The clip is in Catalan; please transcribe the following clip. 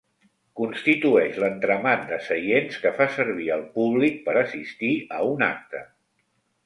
Constitueix l'entramat de seients que fa servir el públic per assistir a un acte.